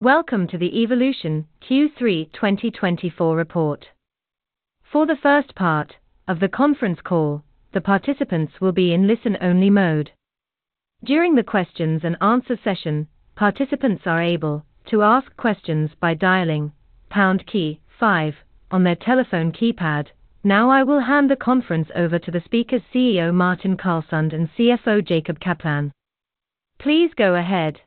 Welcome to the Evolution Q3 2024 report. For the first part of the conference call, the participants will be in listen-only mode. During the questions and answer session, participants are able to ask questions by dialing pound key five on their telephone keypad. Now, I will hand the conference over to the speakers, CEO Martin Carlesund and CFO Jacob Kaplan. Please go ahead.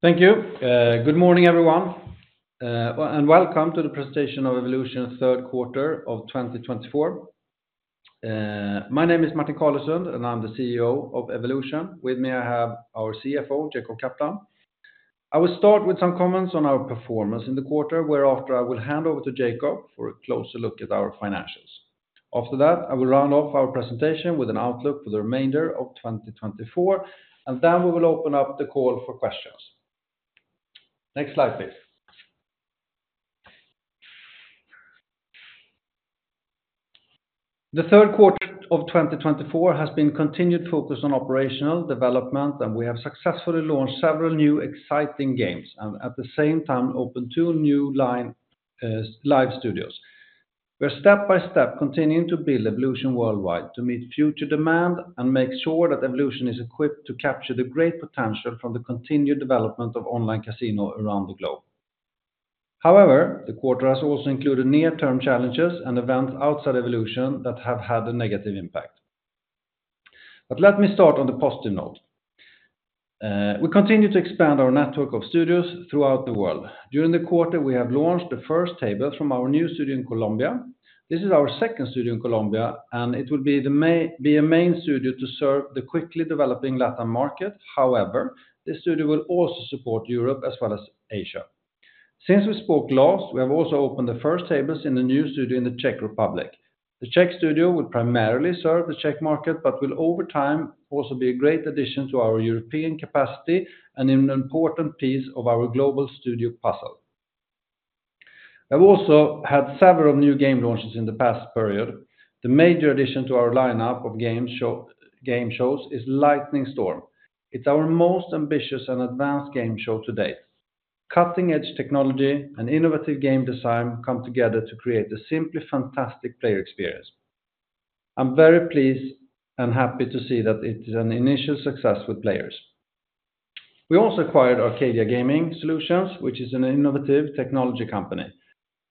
Thank you. Good morning, everyone, and welcome to the presentation of Evolution third quarter of 2024. My name is Martin Carlesund, and I'm the CEO of Evolution. With me, I have our CFO, Jacob Kaplan. I will start with some comments on our performance in the quarter, whereafter I will hand over to Jacob for a closer look at our financials. After that, I will round off our presentation with an outlook for the remainder of 2024, and then we will open up the call for questions. Next slide, please. The third quarter of 2024 has been continued focus on operational development, and we have successfully launched several new exciting games, and at the same time, opened two new live studios. We are step-by-step continuing to build Evolution worldwide to meet future demand and make sure that Evolution is equipped to capture the great potential from the continued development of online casino around the globe. However, the quarter has also included near-term challenges and events outside Evolution that have had a negative impact. But let me start on the positive note. We continue to expand our network of studios throughout the world. During the quarter, we have launched the first table from our new studio in Colombia. This is our second studio in Colombia, and it will be a main studio to serve the quickly developing Latin market. However, this studio will also support Europe as well as Asia. Since we spoke last, we have also opened the first tables in the new studio in the Czech Republic. The Czech studio will primarily serve the Czech market, but will, over time, also be a great addition to our European capacity and an important piece of our global studio puzzle. I've also had several new game launches in the past period. The major addition to our lineup of game shows is Lightning Storm. It's our most ambitious and advanced game show to date. Cutting-edge technology and innovative game design come together to create a simply fantastic player experience. I'm very pleased and happy to see that it is an initial success with players. We also acquired Arcadia Gaming Solutions, which is an innovative technology company.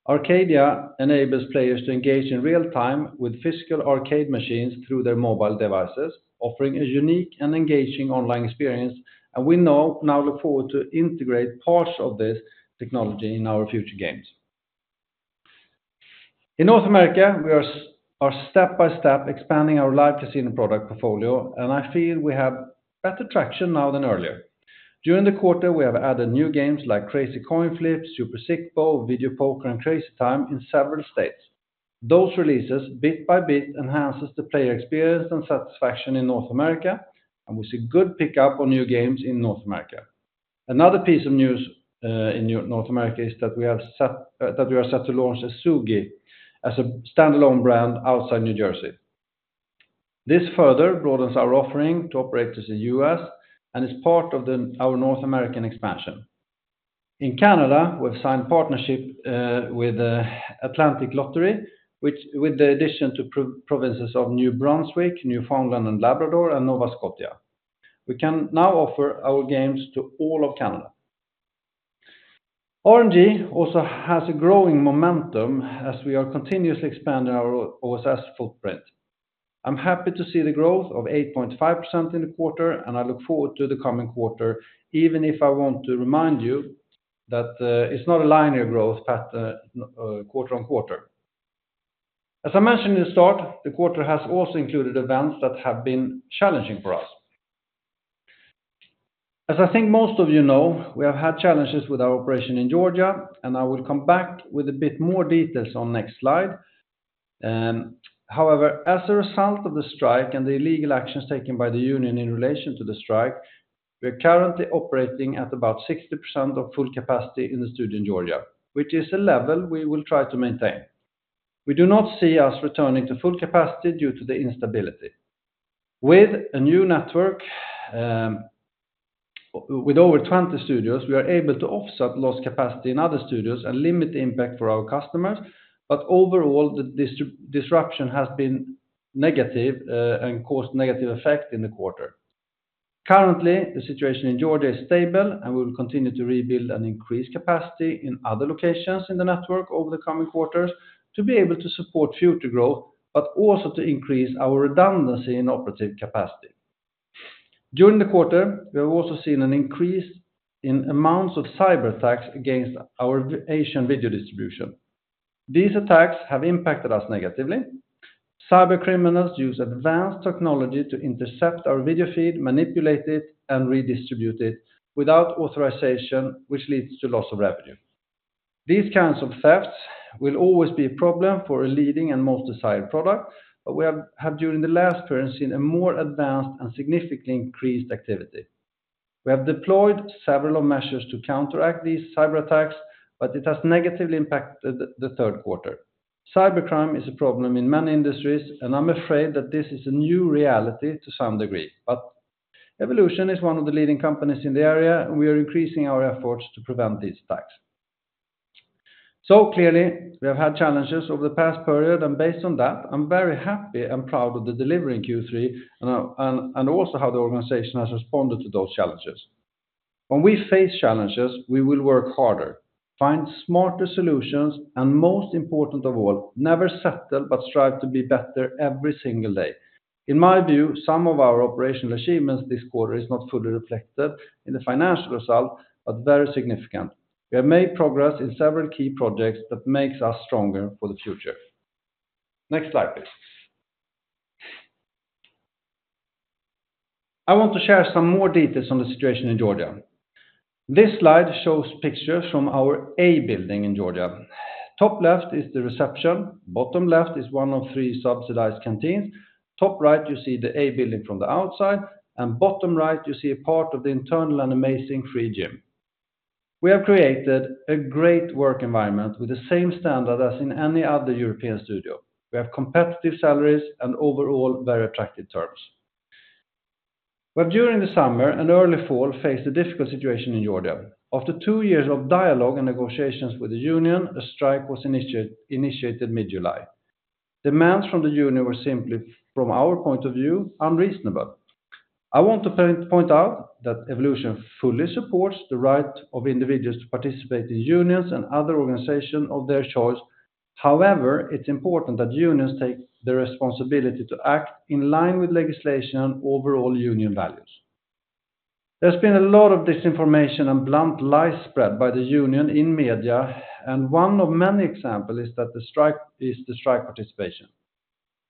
Arcadia enables players to engage in real-time with physical arcade machines through their mobile devices, offering a unique and engaging online experience, and we now look forward to integrate parts of this technology in our future games. In North America, we are step-by-step expanding our live casino product portfolio, and I feel we have better traction now than earlier. During the quarter, we have added new games like Crazy Coin Flip, Super Sic Bo, Video Poker, and Crazy Time in several states. Those releases, bit by bit, enhances the player experience and satisfaction in North America, and we see good pick-up on new games in North America. Another piece of news in North America is that we are set to launch Ezugi as a standalone brand outside New Jersey. This further broadens our offering to operators in U.S. and is part of our North American expansion. In Canada, we've signed partnership with Atlantic Lottery, which with the addition to provinces of New Brunswick, Newfoundland and Labrador, and Nova Scotia, we can now offer our games to all of Canada. RNG also has a growing momentum as we are continuously expanding our OSS footprint. I'm happy to see the growth of 8.5% in the quarter, and I look forward to the coming quarter, even if I want to remind you that it's not a linear growth pattern quarter on quarter. As I mentioned in the start, the quarter has also included events that have been challenging for us. As I think most of you know, we have had challenges with our operation in Georgia, and I will come back with a bit more details on next slide. However, as a result of the strike and the illegal actions taken by the union in relation to the strike, we are currently operating at about 60% of full capacity in the studio in Georgia, which is a level we will try to maintain. We do not see us returning to full capacity due to the instability. With a new network with over 20 studios, we are able to offset lost capacity in other studios and limit the impact for our customers, but overall, the disruption has been negative and caused negative effect in the quarter. Currently, the situation in Georgia is stable, and we will continue to rebuild and increase capacity in other locations in the network over the coming quarters to be able to support future growth, but also to increase our redundancy in operative capacity. During the quarter, we have also seen an increase in amounts of cyberattacks against our Asian video distribution. These attacks have impacted us negatively. Cybercriminals use advanced technology to intercept our video feed, manipulate it, and redistribute it without authorization, which leads to loss of revenue. These kinds of thefts will always be a problem for a leading and most desired product, but we have during the last quarter seen a more advanced and significantly increased activity. We have deployed several measures to counteract these cyberattacks, but it has negatively impacted the third quarter. Cybercrime is a problem in many industries, and I'm afraid that this is a new reality to some degree. But Evolution is one of the leading companies in the area, and we are increasing our efforts to prevent these attacks. So clearly, we have had challenges over the past period, and based on that, I'm very happy and proud of the delivery in Q3, and also how the organization has responded to those challenges. When we face challenges, we will work harder, find smarter solutions, and most important of all, never settle, but strive to be better every single day. In my view, some of our operational achievements this quarter is not fully reflected in the financial result, but very significant. We have made progress in several key projects that makes us stronger for the future. Next slide, please. I want to share some more details on the situation in Georgia. This slide shows pictures from our A Building in Georgia. Top left is the reception, bottom left is one of three subsidized canteens. Top right, you see the A Building from the outside, and bottom right, you see a part of the internal and amazing free gym. We have created a great work environment with the same standard as in any other European studio. We have competitive salaries and overall, very attractive terms. But during the summer and early fall, faced a difficult situation in Georgia. After two years of dialogue and negotiations with the union, a strike was initiated mid-July. Demands from the union were simply, from our point of view, unreasonable. I want to point out that Evolution fully supports the right of individuals to participate in unions and other organization of their choice. However, it's important that unions take the responsibility to act in line with legislation and overall union values. There's been a lot of disinformation and blunt lies spread by the union in media, and one of many example is the strike participation.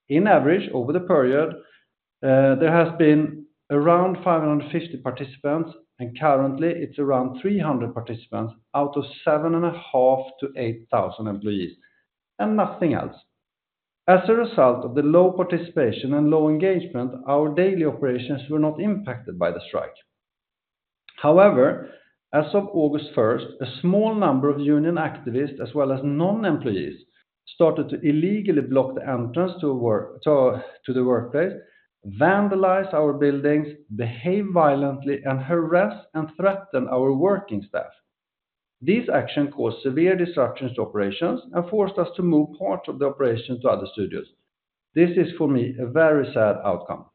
In average, over the period, there has been around 550 participants, and currently, it's around 300 participants out of 7,500-8,000 employees, and nothing else. As a result of the low participation and low engagement, our daily operations were not impacted by the strike. However, as of August first, a small number of union activists, as well as non-employees, started to illegally block the entrance to the workplace, vandalize our buildings, behave violently, and harass and threaten our working staff. These action caused severe disruptions to operations and forced us to move part of the operation to other studios. This is, for me, a very sad outcome.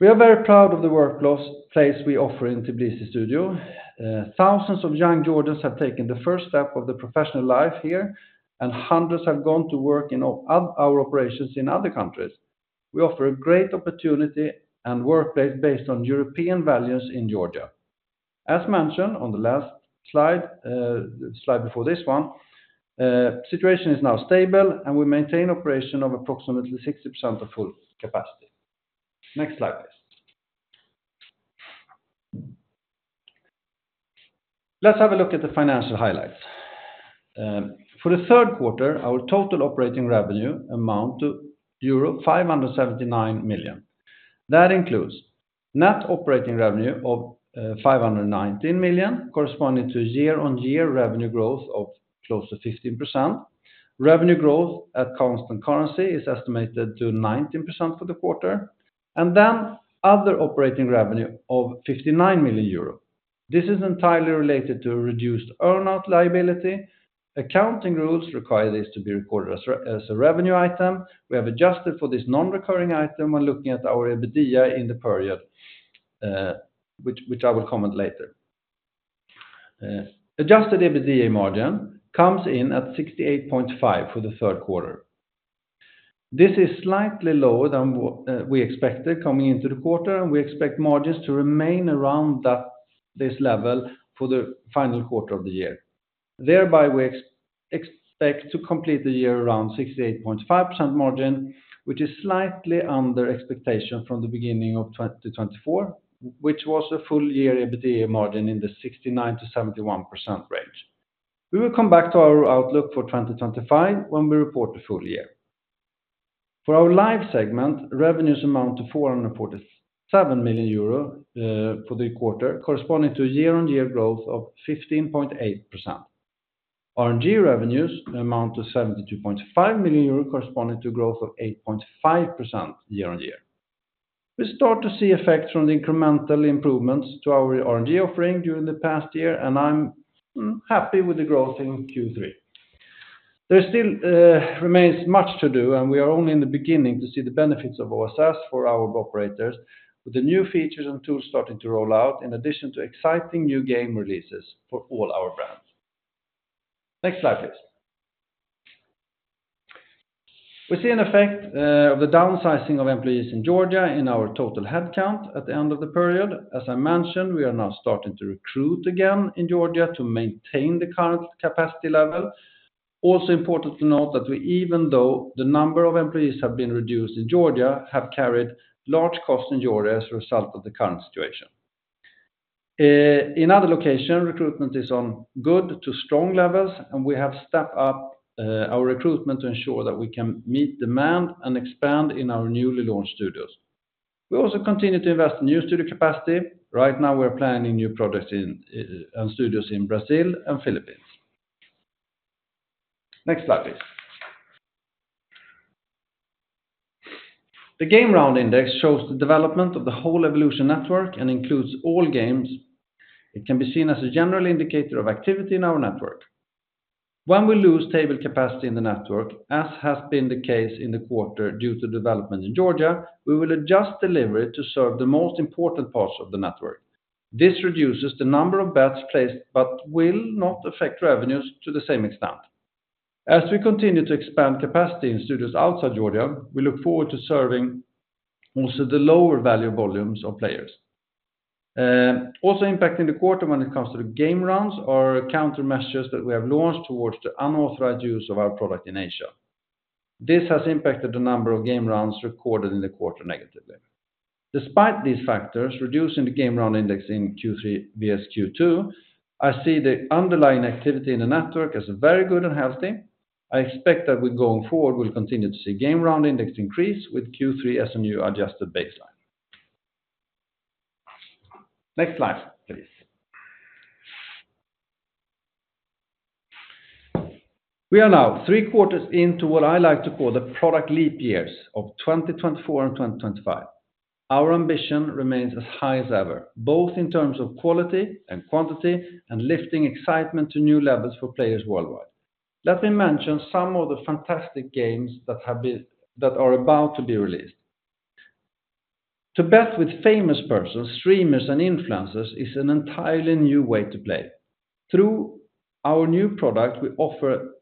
We are very proud of the workplace we offer in Tbilisi studio. Thousands of young Georgians have taken the first step of the professional life here, and hundreds have gone to work in our operations in other countries. We offer a great opportunity and workplace based on European values in Georgia. As mentioned on the last slide, slide before this one, situation is now stable, and we maintain operation of approximately 60% of full capacity. Next slide, please. Let's have a look at the financial highlights. For the third quarter, our total operating revenue amount to euro 579 million. That includes net operating revenue of 519 million, corresponding to year-on-year revenue growth of close to 15%. Revenue growth at constant currency is estimated to 19% for the quarter, and then other operating revenue of 59 million euros. This is entirely related to a reduced earn-out liability. Accounting rules require this to be recorded as a revenue item. We have adjusted for this non-recurring item when looking at our EBITDA in the period, which I will comment later. Adjusted EBITDA margin comes in at 68.5% for the third quarter. This is slightly lower than what we expected coming into the quarter, and we expect margins to remain around that this level for the final quarter of the year. Thereby, we expect to complete the year around 68.5% margin, which is slightly under expectation from the beginning of 2024, which was a full-year EBITDA margin in the 69%-71% range. We will come back to our outlook for 2025 when we report the full year. For our live segment, revenues amount to 447 million euro for the quarter, corresponding to a year-on-year growth of 15.8%. RNG revenues amount to 72.5 million euros, corresponding to growth of 8.5% year on year. We start to see effects from the incremental improvements to our RNG offering during the past year, and I'm happy with the growth in Q3. There still remains much to do, and we are only in the beginning to see the benefits of OSS for our operators, with the new features and tools starting to roll out, in addition to exciting new game releases for all our brands. Next slide, please. We see an effect of the downsizing of employees in Georgia in our total headcount at the end of the period. As I mentioned, we are now starting to recruit again in Georgia to maintain the current capacity level. Also important to note that we, even though the number of employees have been reduced in Georgia, have carried large cost in Georgia as a result of the current situation. In other location, recruitment is on good to strong levels, and we have stepped up our recruitment to ensure that we can meet demand and expand in our newly launched studios. We also continue to invest in new studio capacity. Right now, we're planning new projects in and studios in Brazil and Philippines. Next slide, please. The Game Round Index shows the development of the whole Evolution network and includes all games. It can be seen as a general indicator of activity in our network. When we lose table capacity in the network, as has been the case in the quarter due to development in Georgia, we will adjust delivery to serve the most important parts of the network. This reduces the number of bets placed, but will not affect revenues to the same extent. As we continue to expand capacity in studios outside Georgia, we look forward to serving also the lower value volumes of players. Also impacting the quarter when it comes to the game rounds are countermeasures that we have launched towards the unauthorized use of our product in Asia. This has impacted the number of game rounds recorded in the quarter negatively. Despite these factors, reducing the Game Round Index in Q3 versus Q2, I see the underlying activity in the network as very good and healthy. I expect that going forward, we'll continue to see Game Round Index increase with Q3 as the new adjusted baseline. Next slide, please. We are now three quarters into what I like to call the product leap years of 2024 and 2025. Our ambition remains as high as ever, both in terms of quality and quantity, and lifting excitement to new levels for players worldwide. Let me mention some of the fantastic games that are about to be released. To bet with famous persons, streamers, and influencers is an entirely new way to play. Through our new product, we offer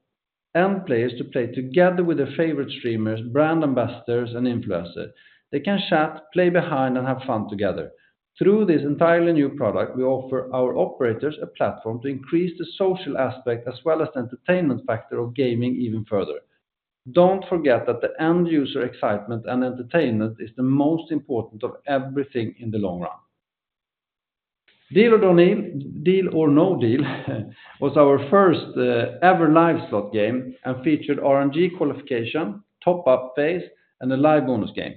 end players to play together with their favorite streamers, brand ambassadors, and influencers. They can chat, play behind, and have fun together. Through this entirely new product, we offer our operators a platform to increase the social aspect as well as the entertainment factor of gaming even further. Don't forget that the end user excitement and entertainment is the most important of everything in the long run. Deal or No Deal was our first ever live slot game and featured RNG qualification, top-up phase, and a live bonus game.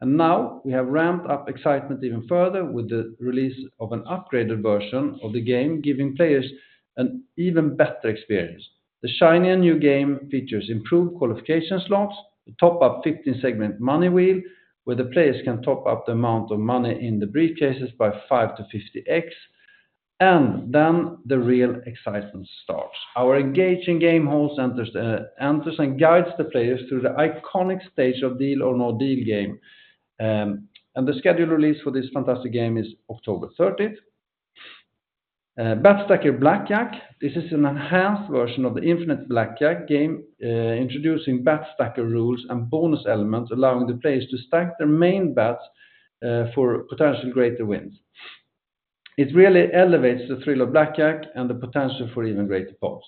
And now we have ramped up excitement even further with the release of an upgraded version of the game, giving players an even better experience. The shiny and new game features improved qualification slots, a top-up fifteen-segment money wheel, where the players can top up the amount of money in the briefcases by five to fifty X, and then the real excitement starts. Our engaging game host enters and guides the players through the iconic stage of Deal or No Deal game. And the scheduled release for this fantastic game is October 30th. Bet Stacker Blackjack, this is an enhanced version of the Infinite Blackjack game, introducing Bet Stacker rules and bonus elements, allowing the players to stack their main bets, for potentially greater wins. It really elevates the thrill of blackjack and the potential for even greater pops.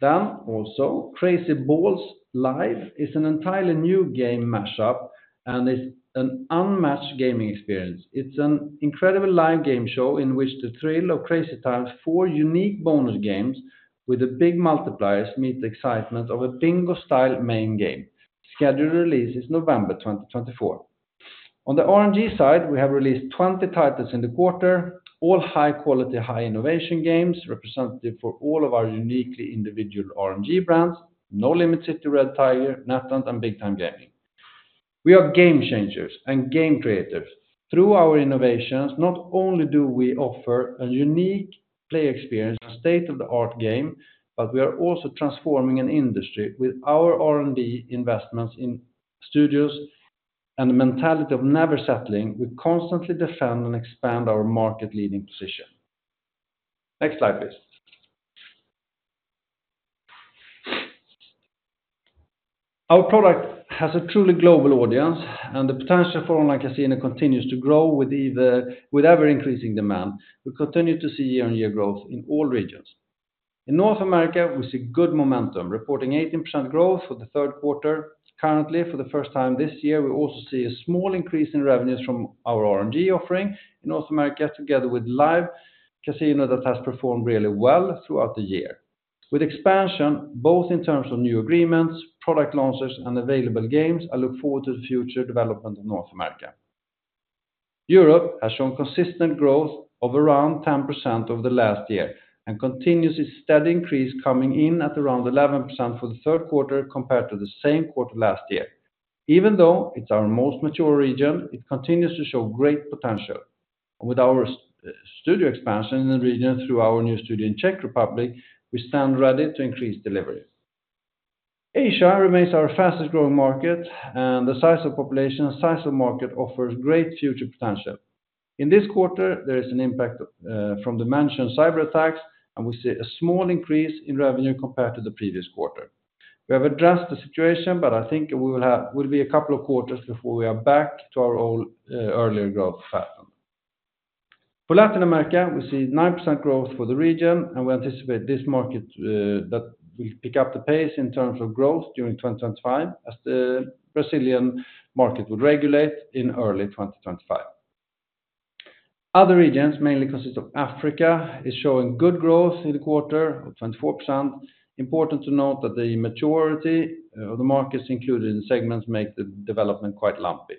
Then also, Crazy Balls Live is an entirely new game mashup, and it's an unmatched gaming experience. It's an incredible live game show in which the thrill of Crazy Time's four unique bonus games with the big multipliers meet the excitement of a bingo-style main game. Scheduled release is November 2024. On the RNG side, we have released 20 titles in the quarter, all high quality, high innovation games, representative for all of our uniquely individual RNG brands, Nolimit City, Red Tiger, NetEnt, and Big Time Gaming. We are game changers and game creators. Through our innovations, not only do we offer a unique play experience, a state-of-the-art game, but we are also transforming an industry with our R&D investments in studios and the mentality of never settling. We constantly defend and expand our market-leading position. Next slide, please. Our product has a truly global audience, and the potential for online casino continues to grow with ever-increasing demand. We continue to see year-on-year growth in all regions. In North America, we see good momentum, reporting 18% growth for the third quarter. Currently, for the first time this year, we also see a small increase in revenues from our RNG offering in North America, together with Live Casino that has performed really well throughout the year. With expansion, both in terms of new agreements, product launches, and available games, I look forward to the future development of North America. Europe has shown consistent growth of around 10% over the last year and continues its steady increase coming in at around 11% for the third quarter compared to the same quarter last year. Even though it's our most mature region, it continues to show great potential. With our studio expansion in the region through our new studio in Czech Republic, we stand ready to increase delivery. Asia remains our fastest-growing market, and the size of population, size of market offers great future potential. In this quarter, there is an impact from the mentioned cyberattacks, and we see a small increase in revenue compared to the previous quarter. We have addressed the situation, but I think we will be a couple of quarters before we are back to our old, earlier growth pattern. For Latin America, we see 9% growth for the region, and we anticipate this market that will pick up the pace in terms of growth during 2025, as the Brazilian market would regulate in early 2025. Other regions mainly consist of Africa, is showing good growth in the quarter of 24%. Important to note that the maturity of the markets included in segments make the development quite lumpy.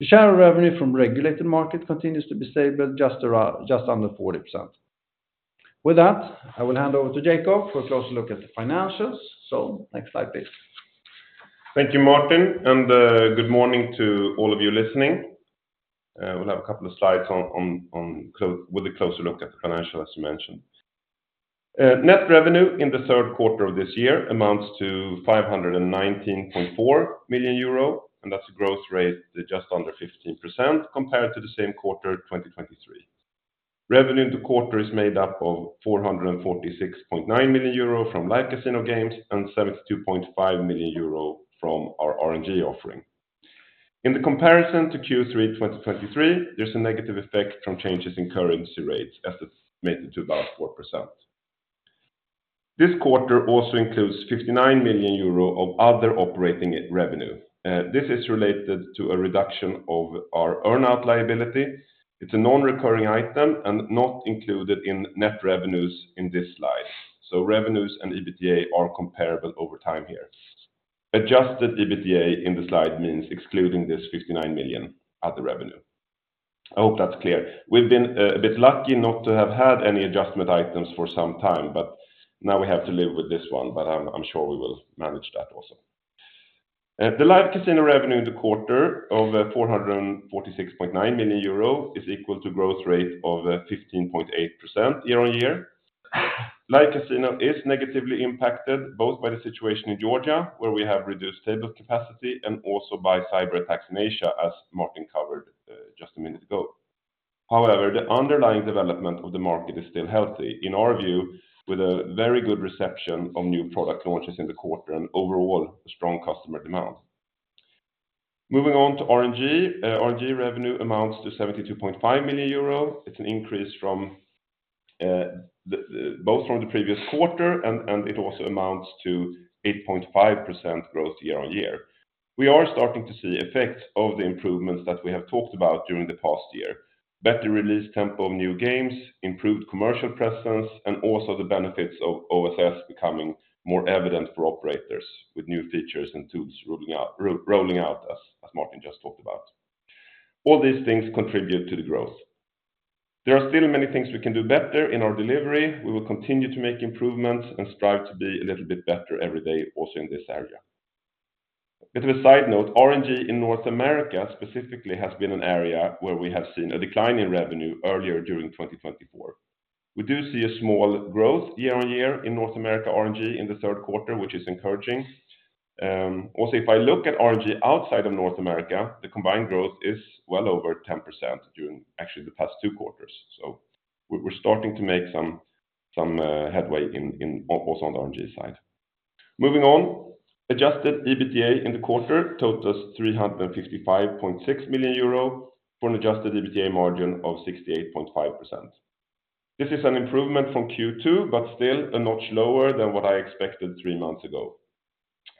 The share of revenue from regulated market continues to be stable, just around, just under 40%. With that, I will hand over to Jacob for a closer look at the financials. So next slide, please. Thank you, Martin, and good morning to all of you listening. We'll have a couple of slides with a closer look at the financial, as you mentioned. Net revenue in the third quarter of this year amounts to 519.4 million euro, and that's a growth rate just under 15% compared to the same quarter, 2023. Revenue in the quarter is made up of 446.9 million euro from Live Casino games and 72.5 million euro from our RNG offering. In the comparison to Q3 2023, there's a negative effect from changes in currency rates, as it's made it to about 4%. This quarter also includes 59 million euro of other operating revenue. This is related to a reduction of our earn-out liability. It's a non-recurring item and not included in net revenues in this slide. So revenues and EBITDA are comparable over time here. Adjusted EBITDA in the slide means excluding this 59 million other revenue. I hope that's clear. We've been a bit lucky not to have had any adjustment items for some time, but now we have to live with this one, but I'm sure we will manage that also. The Live Casino revenue in the quarter of 446.9 million euro is equal to growth rate of 15.8% year on year. Live Casino is negatively impacted both by the situation in Georgia, where we have reduced table capacity, and also by cyberattacks in Asia, as Martin covered just a minute ago. However, the underlying development of the market is still healthy, in our view, with a very good reception of new product launches in the quarter and overall strong customer demand. Moving on to RNG. RNG revenue amounts to 72.5 million euro. It's an increase from both from the previous quarter, and it also amounts to 8.5% growth year on year. We are starting to see effects of the improvements that we have talked about during the past year: better release tempo of new games, improved commercial presence, and also the benefits of OSS becoming more evident for operators with new features and tools rolling out, as Martin just talked about. All these things contribute to the growth. There are still many things we can do better in our delivery. We will continue to make improvements and strive to be a little bit better every day also in this area. A bit of a side note, RNG in North America specifically has been an area where we have seen a decline in revenue earlier during 2024. We do see a small growth year on year in North America RNG in the third quarter, which is encouraging. Also, if I look at RNG outside of North America, the combined growth is well over 10% during actually the past two quarters. So we're starting to make some headway in also on the RNG side. Moving on, adjusted EBITDA in the quarter totals 355.6 million euro for an adjusted EBITDA margin of 68.5%. This is an improvement from Q2, but still a notch lower than what I expected three months ago.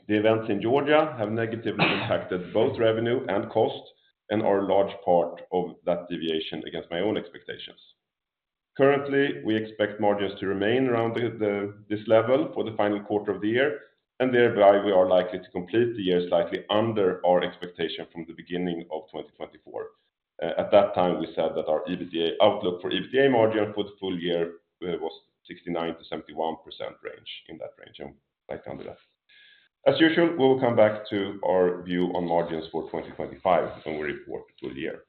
The events in Georgia have negatively impacted both revenue and cost and are a large part of that deviation against my own expectations. Currently, we expect margins to remain around this level for the final quarter of the year, and thereby, we are likely to complete the year slightly under our expectation from the beginning of 2024. At that time, we said that our EBITDA outlook for EBITDA margin for the full year was 69%-71% range, in that range, and back under that. As usual, we will come back to our view on margins for 2025 when we report the full year.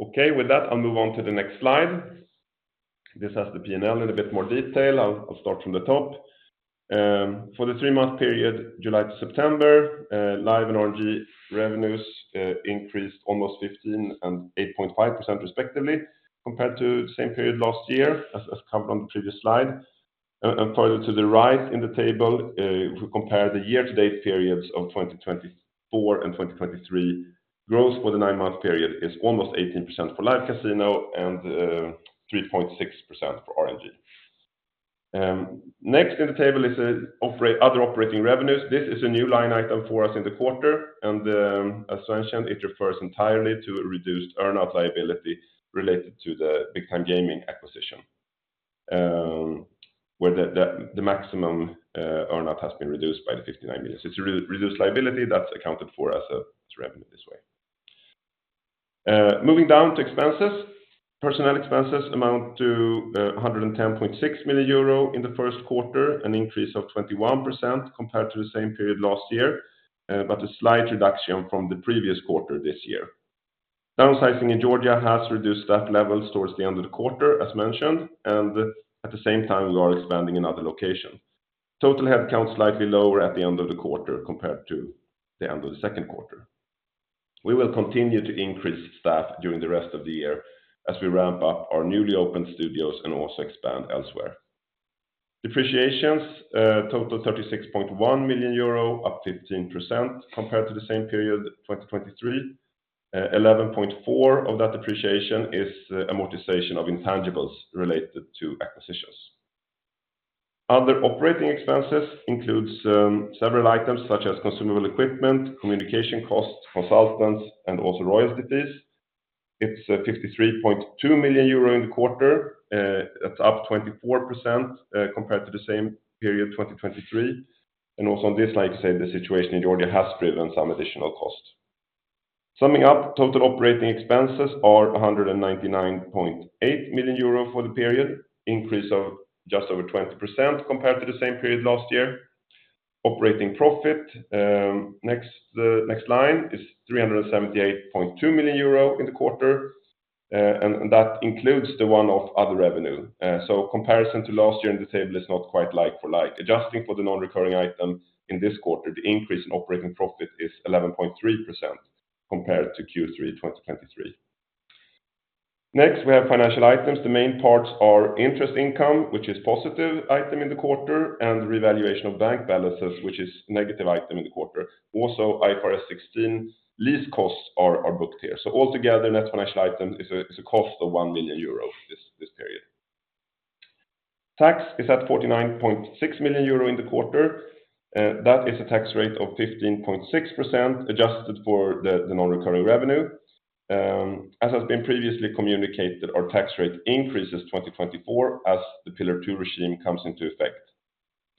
Okay, with that, I'll move on to the next slide. This has the P&L in a bit more detail. I'll start from the top. For the three-month period, July to September, Live and RNG revenues increased almost 15% and 8.5% respectively, compared to the same period last year, as covered on the previous slide. And further to the right in the table, we compare the year-to-date periods of 2024 and 2023. Growth for the nine-month period is almost 18% for Live Casino and 3.6% for RNG. Next in the table is the other operating revenues. This is a new line item for us in the quarter, and, as mentioned, it refers entirely to a reduced earn-out liability related to the Big Time Gaming acquisition, where the maximum earn-out has been reduced by 59 million. So it's a re-reduced liability that's accounted for as a revenue this way. Moving down to expenses. Personnel expenses amount to 110.6 million euro in the first quarter, an increase of 21% compared to the same period last year, but a slight reduction from the previous quarter this year. Downsizing in Georgia has reduced that level towards the end of the quarter, as mentioned, and at the same time, we are expanding in other locations. Total headcount slightly lower at the end of the quarter compared to the end of the second quarter. We will continue to increase staff during the rest of the year as we ramp up our newly opened studios and also expand elsewhere. Depreciations total 36.1 million euro, up 15% compared to the same period in 2023. Eleven point four of that depreciation is amortization of intangibles related to acquisitions. Other operating expenses includes several items such as consumable equipment, communication costs, consultants, and also royalties. It's 53.2 million euro in the quarter, that's up 24%, compared to the same period, 2023. Also on this slide, the situation in Georgia has driven some additional costs. Summing up, total operating expenses are 199.8 million euro for the period, increase of just over 20% compared to the same period last year. Operating profit, next, the next line is 378.2 million euro in the quarter, and that includes the one-off other revenue. So comparison to last year in the table is not quite like for like. Adjusting for the non-recurring item in this quarter, the increase in operating profit is 11.3% compared to Q3 2023. Next, we have financial items. The main parts are interest income, which is positive item in the quarter, and revaluation of bank balances, which is negative item in the quarter. Also, IFRS 16 lease costs are booked here. So altogether, net financial items is a cost of 1 million euros this period. Tax is at 49.6 million euros in the quarter, that is a tax rate of 15.6%, adjusted for the non-recurring revenue. As has been previously communicated, our tax rate increases 2024 as the Pillar Two regime comes into effect.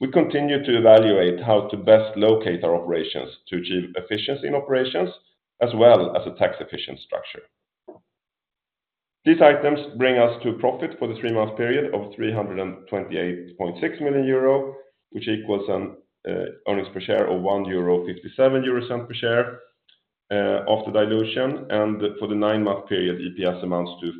We continue to evaluate how to best locate our operations to achieve efficiency in operations, as well as a tax-efficient structure. These items bring us to a profit for the three-month period of 328.6 million euro, which equals an earnings per share of 1.57 euro per share after dilution, and for the nine-month period, EPS amounts to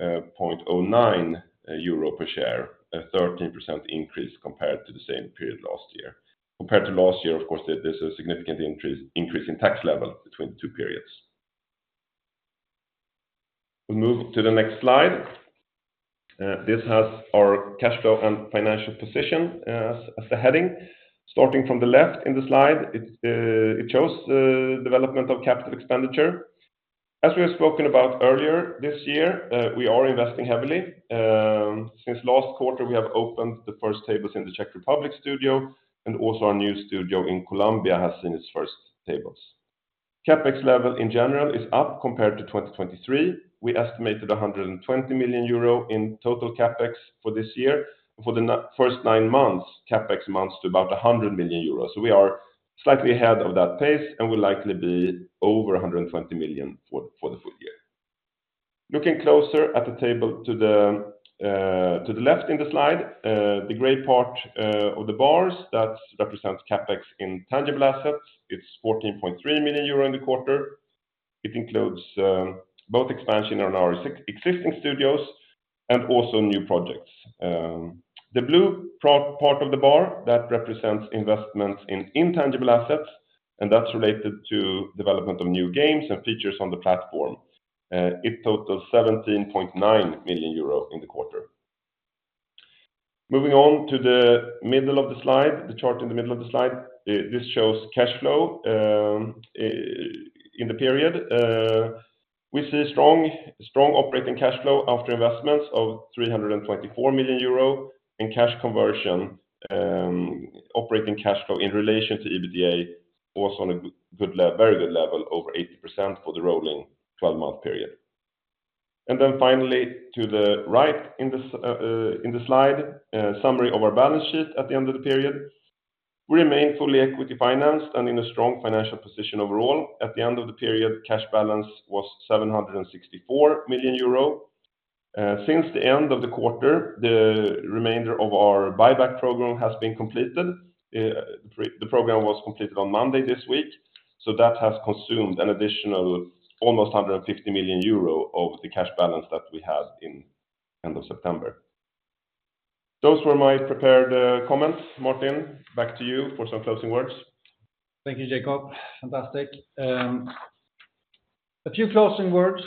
4.09 euro per share, a 13% increase compared to the same period last year. Compared to last year, of course, there's a significant increase in tax level between the two periods. We move to the next slide. This has our cash flow and financial position as the heading. Starting from the left in the slide, it shows the development of capital expenditure. As we have spoken about earlier this year, we are investing heavily. Since last quarter, we have opened the first tables in the Czech Republic studio, and also our new studio in Colombia has seen its first tables. CapEx level in general is up compared to 2023. We estimated 120 million euro in total CapEx for this year. For the first nine months, CapEx amounts to about 100 million euros. So we are slightly ahead of that pace and will likely be over 120 million for the full year. Looking closer at the table to the left in the slide, the gray part of the bars, that represents CapEx in tangible assets. It's 14.3 million euro in the quarter. It includes both expansion on our existing studios and also new projects. The blue part of the bar, that represents investments in intangible assets, and that's related to development of new games and features on the platform. It totals 17.9 million euro in the quarter. Moving on to the middle of the slide, the chart in the middle of the slide, this shows cash flow in the period. We see strong operating cash flow after investments of 324 million euro in cash conversion, operating cash flow in relation to EBITDA, also on a very good level, over 80% for the rolling twelve-month period. Then finally, to the right in the slide, a summary of our balance sheet at the end of the period. We remain fully equity financed and in a strong financial position overall. At the end of the period, cash balance was 764 million euro. Since the end of the quarter, the remainder of our buyback program has been completed. The program was completed on Monday this week, so that has consumed an additional almost 150 million euro of the cash balance that we had at the end of September. Those were my prepared comments. Martin, back to you for some closing words. Thank you, Jacob. Fantastic. A few closing words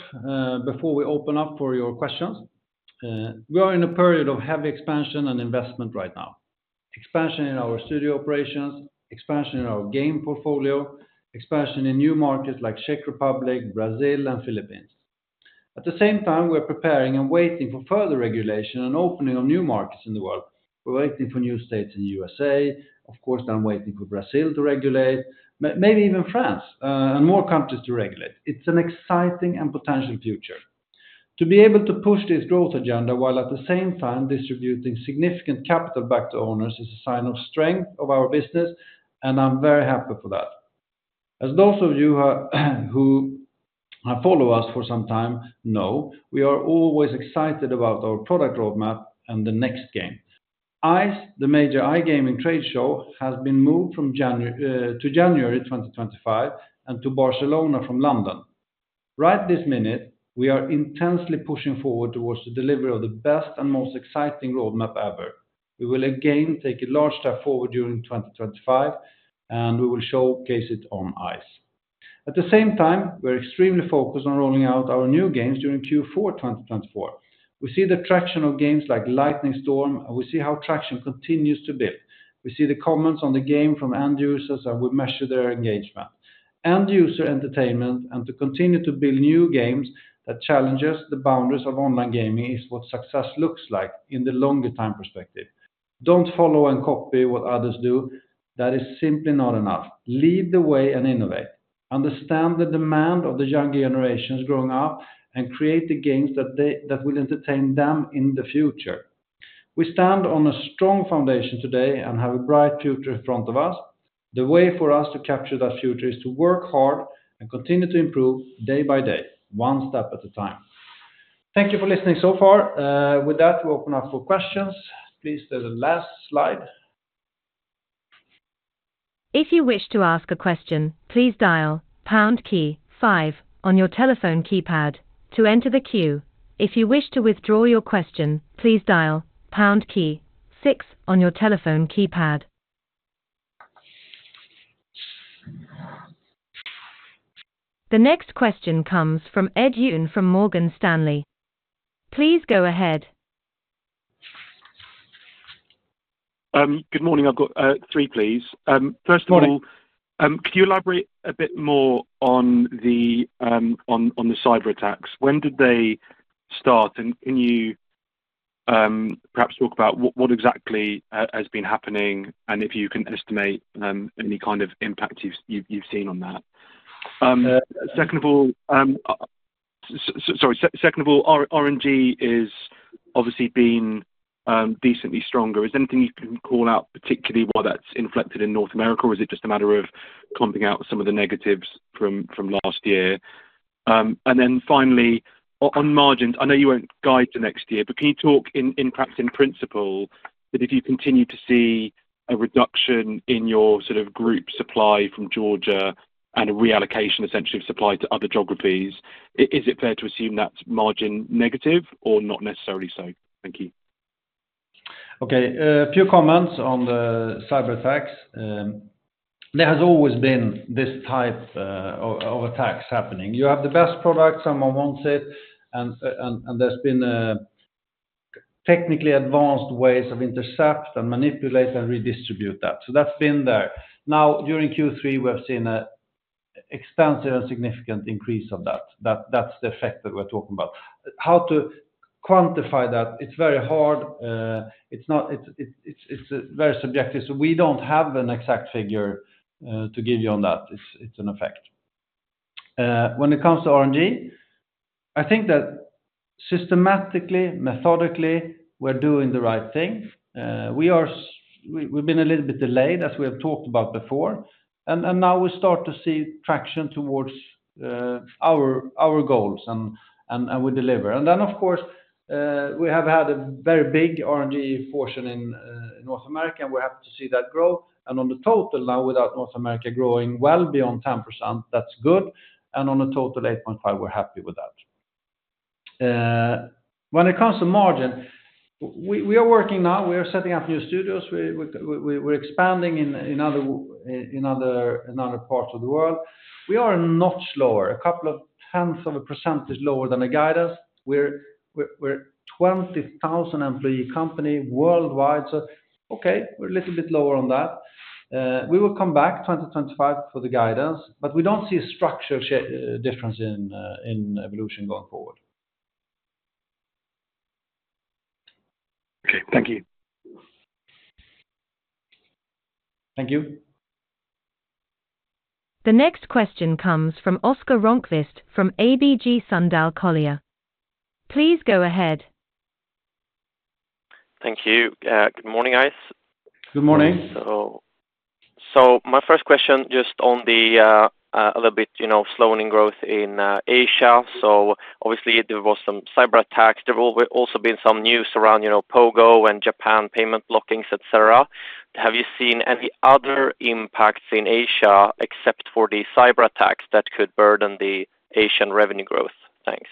before we open up for your questions. We are in a period of heavy expansion and investment right now. Expansion in our studio operations, expansion in our game portfolio, expansion in new markets like Czech Republic, Brazil, and Philippines. At the same time, we're preparing and waiting for further regulation and opening of new markets in the world. We're waiting for new states in USA, of course. I'm waiting for Brazil to regulate, maybe even France, and more countries to regulate. It's an exciting and potential future. To be able to push this growth agenda while at the same time distributing significant capital back to owners is a sign of strength of our business, and I'm very happy for that. As those of you who have followed us for some time know, we are always excited about our product roadmap and the next game. ICE, the major iGaming trade show, has been moved to January 2025, and to Barcelona from London. Right this minute, we are intensely pushing forward towards the delivery of the best and most exciting roadmap ever. We will again take a large step forward during 2025, and we will showcase it on ICE. At the same time, we're extremely focused on rolling out our new games during Q4 2024. We see the traction of games like Lightning Storm, and we see how traction continues to build. We see the comments on the game from end users, and we measure their engagement. End user entertainment, and to continue to build new games that challenges the boundaries of online gaming is what success looks like in the longer time perspective. Don't follow and copy what others do. That is simply not enough. Lead the way and innovate, understand the demand of the younger generations growing up, and create the games that they will entertain them in the future. We stand on a strong foundation today and have a bright future in front of us. The way for us to capture that future is to work hard and continue to improve day by day, one step at a time. Thank you for listening so far. With that, we open up for questions. Please, there's the last slide. If you wish to ask a question, please dial pound key five on your telephone keypad to enter the queue. If you wish to withdraw your question, please dial pound key six on your telephone keypad. The next question comes from Ed Young from Morgan Stanley. Please go ahead. Good morning. I've got three, please. First of all- Morning. Could you elaborate a bit more on the cyberattacks? When did they start? And, can you perhaps talk about what exactly has been happening, and if you can estimate any kind of impact you've seen on that? Second of all, so sorry. Second of all, RNG is obviously been decently stronger. Is there anything you can call out, particularly why that's inflected in North America, or is it just a matter of clumping out some of the negatives from last year? And then finally, on margins, I know you won't guide to next year, but can you talk in perhaps, in principle, that if you continue to see a reduction in your sort of group supply from Georgia and a reallocation, essentially, of supply to other geographies, is it fair to assume that's margin negative or not necessarily so? Thank you. Okay, a few comments on the cyberattacks. There has always been this type of attacks happening. You have the best product, someone wants it, and there's been technically advanced ways of intercept and manipulate and redistribute that. So that's been there. Now, during Q3, we have seen an extensive and significant increase of that. That's the effect that we're talking about. How to quantify that, it's very hard. It's not, it's very subjective, so we don't have an exact figure to give you on that. It's an effect. When it comes to RNG, I think that systematically, methodically, we're doing the right thing. We've been a little bit delayed, as we have talked about before, and we deliver. Then, of course, we have had a very big RNG portion in North America, and we're happy to see that grow. On the total now, without North America growing well beyond 10%, that's good. On a total 8.5, we're happy with that. When it comes to margin, we are working now. We are setting up new studios. We're expanding in other parts of the world. We are a notch lower, a couple tenths of a percentage lower than the guidance. We're a 20,000-employee company worldwide, so, okay, we're a little bit lower on that. We will come back 2025 for the guidance, but we don't see a structural difference in Evolution going forward. Okay, thank you. Thank you. The next question comes from Oscar Rönnkvist from ABG Sundal Collier. Please go ahead. Thank you. Good morning, guys. Good morning. So my first question, just on a little bit, you know, slowing in growth in Asia. So obviously, there was some cyberattacks. There have also been some news around, you know, POGO and Japan payment blockings, et cetera. Have you seen any other impacts in Asia, except for the cyberattacks, that could burden the Asian revenue growth? Thanks.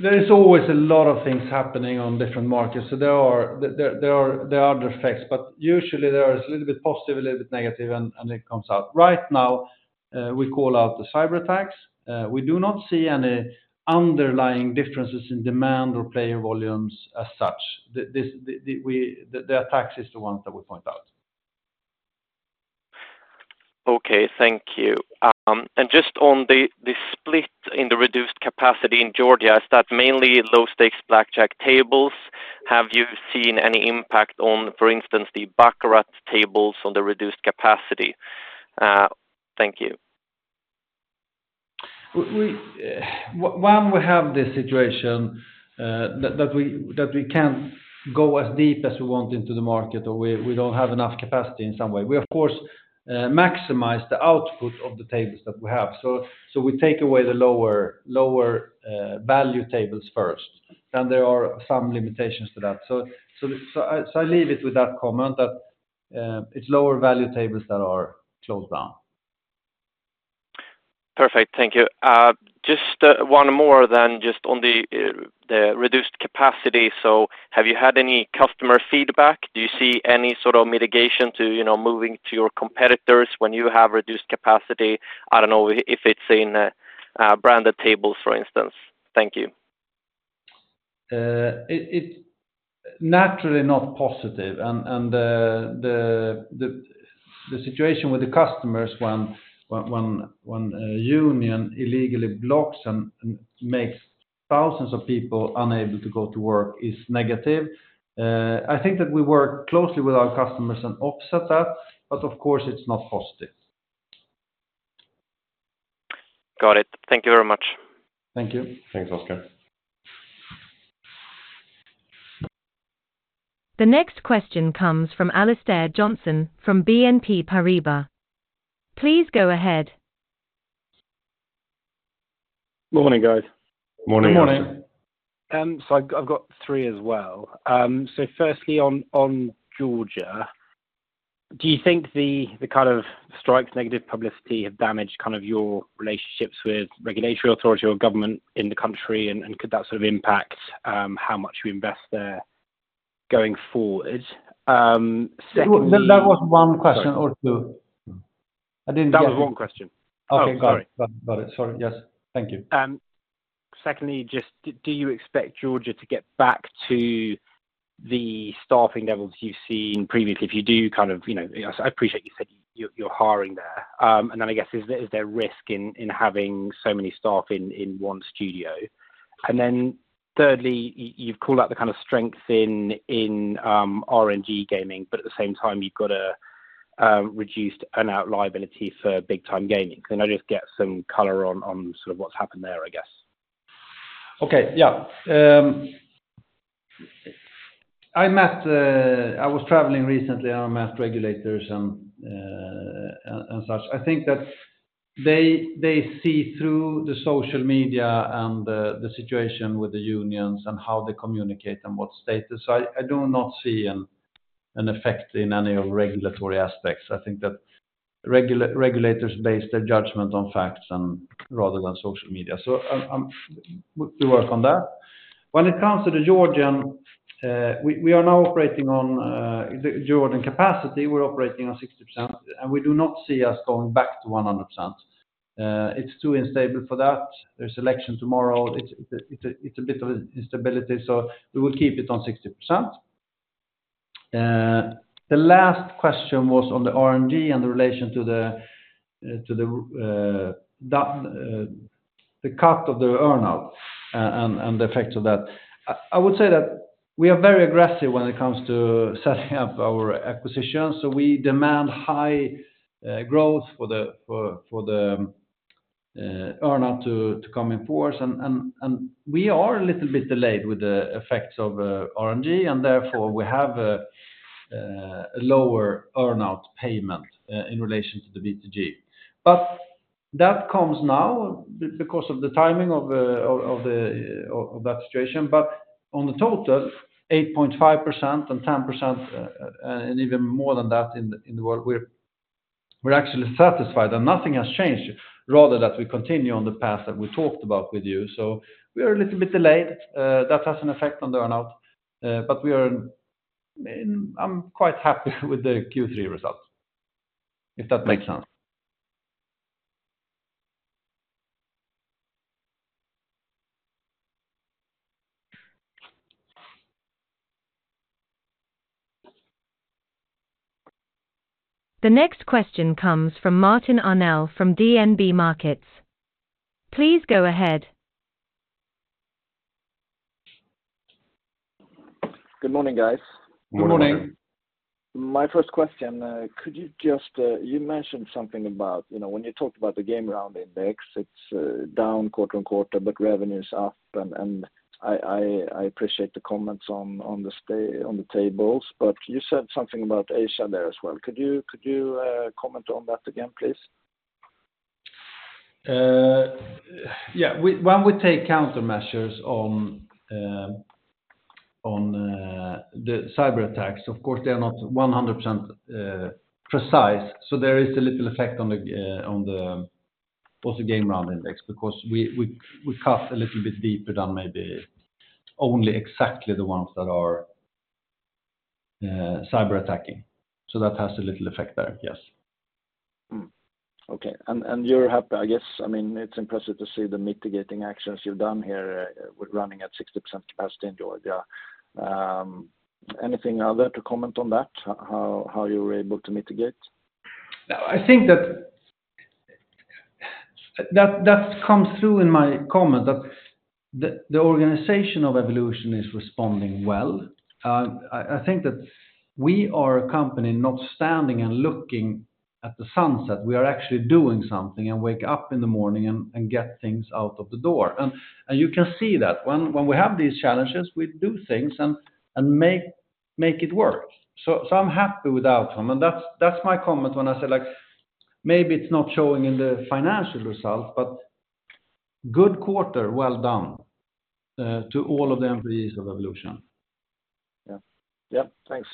There is always a lot of things happening on different markets, so there are other effects, but usually there is a little bit positive, a little bit negative, and it comes out. Right now, we call out the cyberattacks. We do not see any underlying differences in demand or player volumes as such. The attacks is the one that we point out. Okay, thank you, and just on the split in the reduced capacity in Georgia, is that mainly low-stakes blackjack tables? Have you seen any impact on, for instance, the baccarat tables on the reduced capacity? Thank you. When we have this situation that we can't go as deep as we want into the market, or we don't have enough capacity in some way, we of course maximize the output of the tables that we have. So we take away the lower value tables first, and there are some limitations to that. So I leave it with that comment, that it's lower value tables that are closed down. Perfect. Thank you. Just one more then, just on the reduced capacity. So have you had any customer feedback? Do you see any sort of mitigation to, you know, moving to your competitors when you have reduced capacity? I don't know if it's in branded tables, for instance. Thank you.... It's naturally not positive, and the situation with the customers when a union illegally blocks and makes thousands of people unable to go to work is negative. I think that we work closely with our customers and offset that, but of course, it's not positive. Got it. Thank you very much. Thank you. Thanks, Oscar. The next question comes from Alistair Johnson, from BNP Paribas. Please go ahead. Morning, guys. Morning. Good morning. I've got three as well. Firstly, on Georgia, do you think the kind of strikes, negative publicity, have damaged kind of your relationships with regulatory authority or government in the country, and could that sort of impact how much we invest there going forward? Secondly- That was one question or two? I didn't get- That was one question. Okay. Oh, sorry. Got it. Got it. Sorry. Yes. Thank you. Secondly, just do you expect Georgia to get back to the staffing levels you've seen previously? If you do, kind of, you know, I appreciate you said you're hiring there. And then I guess, is there risk in having so many staff in one studio? And then thirdly, you've called out the kind of strength in RNG gaming, but at the same time you've got a reduced earn-out liability for Big Time Gaming. Can I just get some color on sort of what's happened there, I guess? Okay. Yeah. I was traveling recently, and I met regulators and such. I think that they see through the social media and the situation with the unions and how they communicate and what status. I do not see an effect in any regulatory aspects. I think that regulators base their judgment on facts rather than social media. So we work on that. When it comes to the Georgian, we are now operating on the Georgian capacity. We're operating on 60%, and we do not see us going back to 100%. It's too unstable for that. There's election tomorrow. It's a bit of instability, so we will keep it on 60%. The last question was on the RNG and the relation to the cut of the earn-out, and the effect of that. I would say that we are very aggressive when it comes to setting up our acquisitions, so we demand high growth for the earn-out to come in force. And we are a little bit delayed with the effects of RNG, and therefore we have a lower earn-out payment in relation to the BTG. But that comes now because of the timing of that situation, but on the total, 8.5% and 10%, and even more than that in the world, we're actually satisfied, and nothing has changed, rather that we continue on the path that we talked about with you. So we are a little bit delayed. That has an effect on the earn-out, but I'm quite happy with the Q3 results, if that makes sense. The next question comes from Martin Arnell, from DNB Markets. Please go ahead. Good morning, guys. Good morning. Good morning. My first question, could you just... You mentioned something about, you know, when you talked about the Game Round Index, it's down quarter and quarter, but revenue is up. And I appreciate the comments on the tables, but you said something about Asia there as well. Could you comment on that again, please? Yeah. When we take countermeasures on the cyberattacks, of course, they are not 100% precise, so there is a little effect on the Game Round Index, because we cut a little bit deeper than maybe only exactly the ones that are cyberattacking, so that has a little effect there, yes. Okay. And you're happy, I guess, I mean, it's impressive to see the mitigating actions you've done here with running at 60% capacity in Georgia. Anything other to comment on that, how you were able to mitigate? I think that comes through in my comment, that the organization of Evolution is responding well. I think that we are a company not standing and looking at the sunset. We are actually doing something and wake up in the morning and get things out of the door, and you can see that. When we have these challenges, we do things and make it work, so I'm happy with the outcome, and that's my comment when I say, like, maybe it's not showing in the financial results, but good quarter, well done to all of the employees of Evolution. Yeah. Yep, thanks.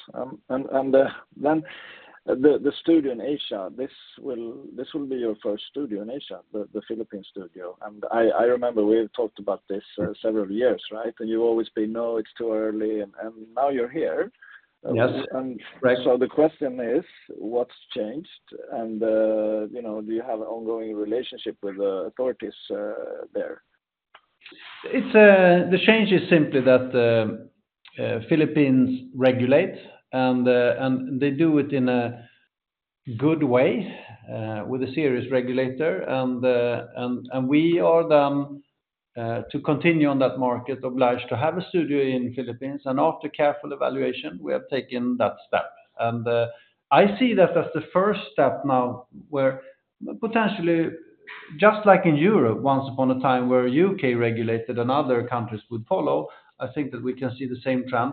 And then the studio in Asia, this will be your first studio in Asia, the Philippines studio. And I remember we talked about this several years, right? And you've always been: "No, it's too early." And now you're here. Yes. And so the question is, what's changed? And, you know, do you have an ongoing relationship with the authorities, there? It's, the change is simply that the Philippines regulate, and they do it in a good way with a serious regulator. We are then to continue on that market obliged to have a studio in Philippines, and after careful evaluation, we have taken that step. I see that as the first step now, where potentially, just like in Europe, once upon a time, where U.K. regulated and other countries would follow. I think that we can see the same trend.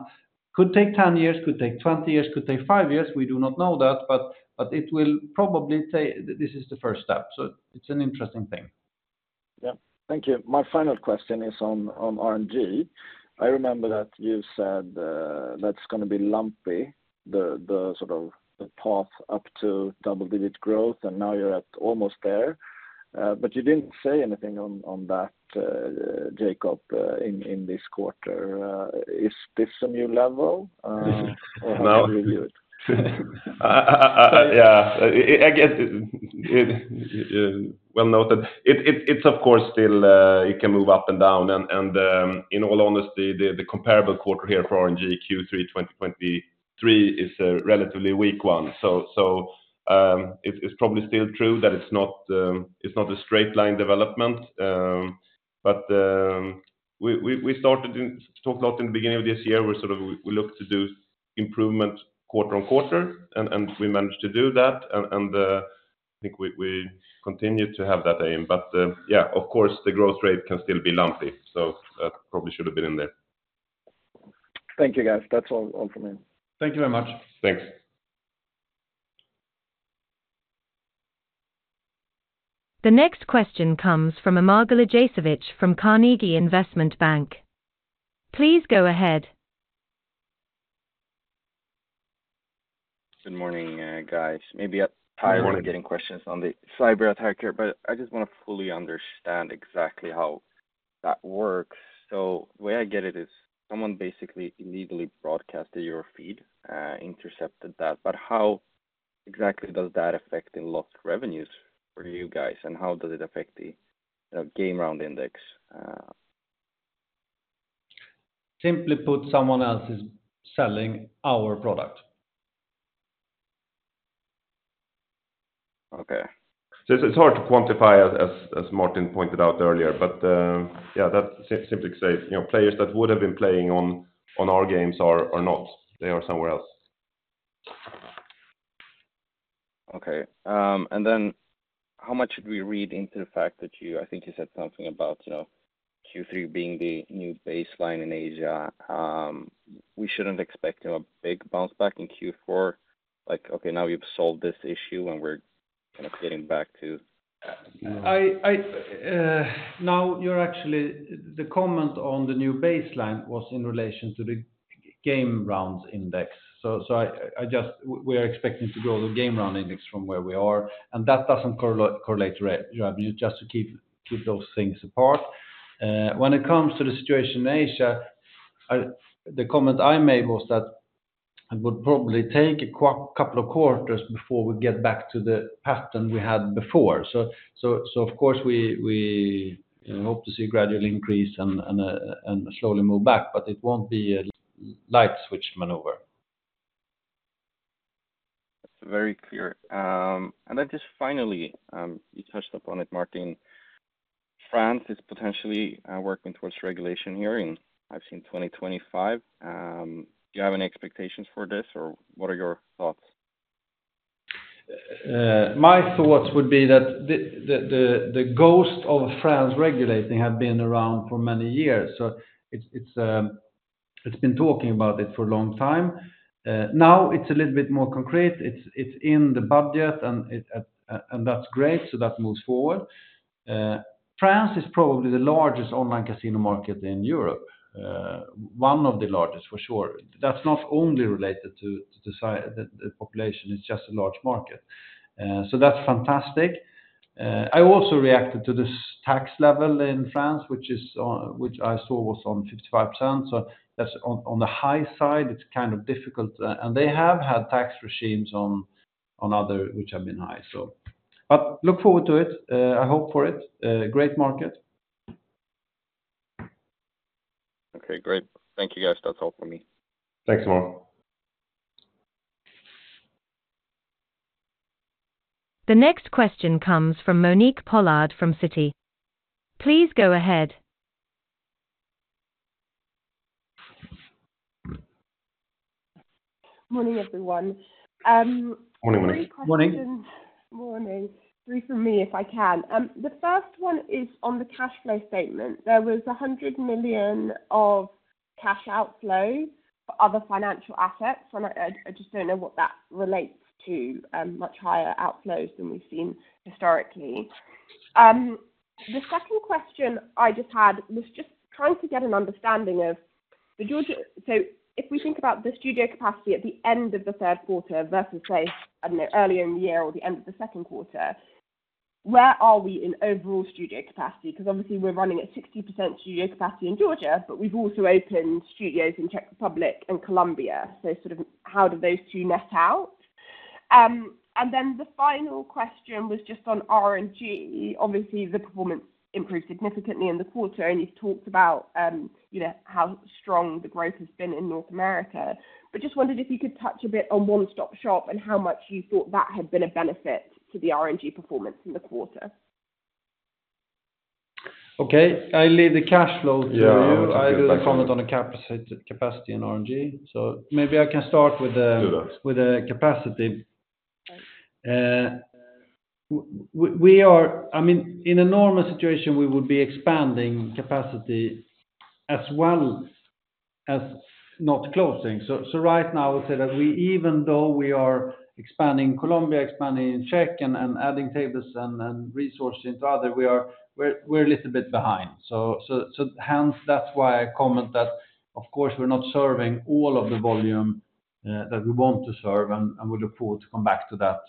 Could take ten years, could take twenty years, could take five years, we do not know that, but it will probably take. This is the first step, so it's an interesting thing. Yeah. Thank you. My final question is on RNG. I remember that you said that's gonna be lumpy, the sort of path up to double-digit growth, and now you're at almost there, but you didn't say anything on that, Jacob, in this quarter. Is this a new level? No. Or how do you view it? Yeah, I guess it. Well noted. It's of course still. It can move up and down, and, in all honesty, the comparable quarter here for RNG, Q3 2023, is a relatively weak one. So, it's probably still true that it's not a straight line development. But we talked about in the beginning of this year. We sort of look to do improvement quarter on quarter, and we managed to do that, and I think we continue to have that aim. Yeah, of course, the growth rate can still be lumpy, so that probably should have been in there. Thank you, guys. That's all from me. Thank you very much. Thanks. The next question comes from Amar Galijasevic from Carnegie Investment Bank. Please go ahead. Good morning, guys. Maybe you're- Good morning.... tired of getting questions on the cyberattack here, but I just want to fully understand exactly how that works. So the way I get it is, someone basically illegally broadcasted your feed, intercepted that. But how exactly does that affect in lost revenues for you guys, and how does it affect the Game Round Index? Simply put, someone else is selling our product. Okay. So it's hard to quantify, as Martin pointed out earlier, but yeah, that's simply, say, you know, players that would have been playing on our games are not. They are somewhere else. Okay. And then how much should we read into the fact that you-- I think you said something about, you know, Q3 being the new baseline in Asia. We shouldn't expect, you know, a big bounce back in Q4? Like, okay, now you've solved this issue, and we're kind of getting back to, you know- Now you're actually... The comment on the new baseline was in relation to the Game Round Index. So we are expecting to grow the Game Round Index from where we are, and that doesn't correlate, just to keep those things apart. When it comes to the situation in Asia, the comment I made was that it would probably take a couple of quarters before we get back to the pattern we had before. So of course, we, you know, hope to see gradual increase and slowly move back, but it won't be a light switch maneuver. That's very clear, and then just finally, you touched upon it, Martin. France is potentially working towards regulation hearing. I've seen 2025. Do you have any expectations for this, or what are your thoughts? My thoughts would be that the ghost of France regulating have been around for many years, so it's been talking about it for a long time. Now it's a little bit more concrete. It's in the budget and that's great, so that moves forward. France is probably the largest online casino market in Europe, one of the largest, for sure. That's not only related to the population, it's just a large market. So that's fantastic. I also reacted to this tax level in France, which I saw was on 55%, so that's on the high side, it's kind of difficult, and they have had tax regimes on other which have been high, but look forward to it. I hope for it. Great market. Okay, great. Thank you, guys. That's all for me. Thanks a lot. The next question comes from Monique Pollard from Citi. Please go ahead. Morning, everyone. Morning, Monique. Morning. Three questions. Morning. Three from me, if I can. The first one is on the cash flow statement. There was 100 million of cash outflows for other financial assets, and I just don't know what that relates to, much higher outflows than we've seen historically. The second question I just had was just trying to get an understanding of the Georgia, so if we think about the studio capacity at the end of the third quarter versus, say, I don't know, earlier in the year or the end of the second quarter.... where are we in overall studio capacity? Because obviously we're running at 60% studio capacity in Georgia, but we've also opened studios in Czech Republic and Colombia. So sort of how do those two net out? And then the final question was just on RNG. Obviously, the performance improved significantly in the quarter, and you've talked about, you know, how strong the growth has been in North America. But just wondered if you could touch a bit on One Stop Shop and how much you thought that had been a benefit to the RNG performance in the quarter. Okay, I'll leave the cash flow to you. Yeah. I will comment on the capacity in RNG, so maybe I can start with the- Do that.... with the capacity. We are—I mean, in a normal situation, we would be expanding capacity as well as not closing. So right now, I would say that we even though we are expanding Colombia, expanding in Czech, and adding tables and resources into other, we are a little bit behind. So hence, that's why I comment that, of course, we're not serving all of the volume that we want to serve, and we look forward to come back to that.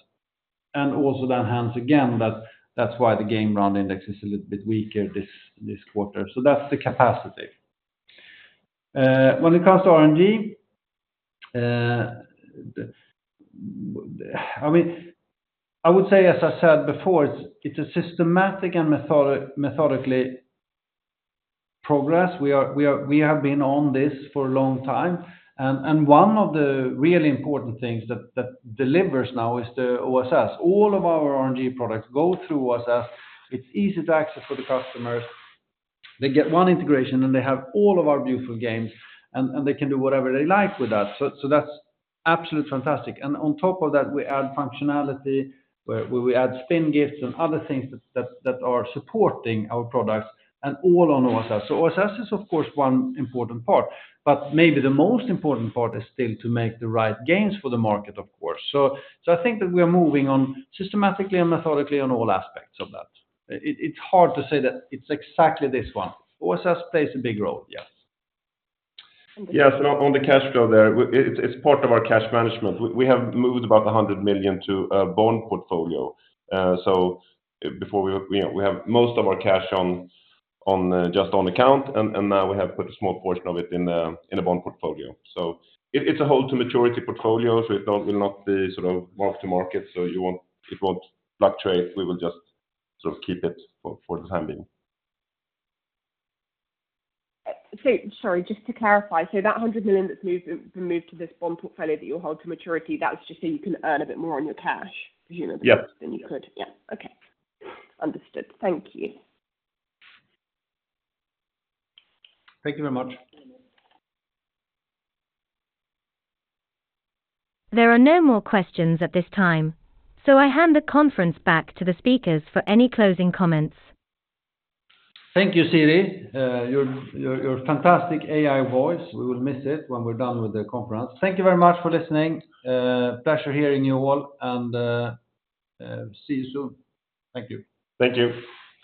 And also then, hence, again, that's why the Game Round Index is a little bit weaker this quarter. So that's the capacity. When it comes to RNG, I mean, I would say, as I said before, it's a systematic and methodically progress. We have been on this for a long time, and one of the really important things that delivers now is the OSS. All of our RNG products go through OSS. It's easy to access for the customers. They get one integration, and they have all of our beautiful games, and they can do whatever they like with us. So that's absolutely fantastic. And on top of that, we add functionality, where we add spin gifts and other things that are supporting our products, and all on OSS. So OSS is, of course, one important part, but maybe the most important part is still to make the right games for the market, of course. So I think that we are moving on systematically and methodically on all aspects of that. It's hard to say that it's exactly this one. OSS plays a big role, yes. Yes, and on the cash flow there, it's part of our cash management. We have moved about 100 million to a bond portfolio. So before we, you know, we have most of our cash just on account, and now we have put a small portion of it in a bond portfolio. So it's a hold to maturity portfolio, so it will not be sort of mark to market. So you won't. It won't fluctuate. We will just sort of keep it for the time being. So sorry, just to clarify, so that 100 million that's been moved to this bond portfolio that you'll hold to maturity, that's just so you can earn a bit more on your cash? Because, you know- Yep. -than you could. Yeah. Okay. Understood. Thank you. Thank you very much. There are no more questions at this time, so I hand the conference back to the speakers for any closing comments. Thank you, Siri. Your fantastic AI voice, we will miss it when we're done with the conference. Thank you very much for listening. Pleasure hearing you all, and see you soon. Thank you. Thank you.